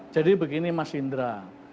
jadi begini mas indra